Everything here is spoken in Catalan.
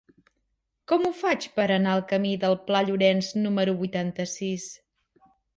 Com ho faig per anar al camí del Pla Llorenç número vuitanta-sis?